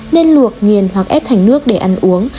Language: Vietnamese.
nên luộc nghiền hoặc ép thành nước để ăn uống